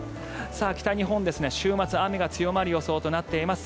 北日本、週末雨が強まる予想となっています。